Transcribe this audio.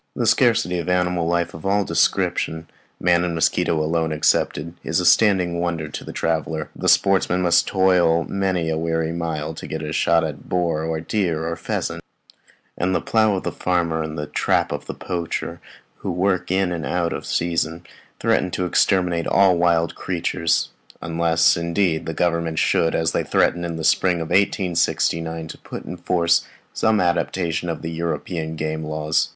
The scarcity of animal life of all descriptions, man and mosquitoes alone excepted, is a standing wonder to the traveller; the sportsman must toil many a weary mile to get a shot at boar, or deer, or pheasant; and the plough of the farmer and the trap of the poacher, who works in and out of season, threaten to exterminate all wild creatures; unless, indeed, the Government should, as they threatened in the spring of 1869, put in force some adaptation of European game laws.